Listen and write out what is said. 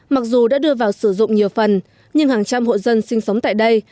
mặc dù đã đưa vào sử dụng nhiều phần nhưng hàng trăm hộ dân sinh sống tại đây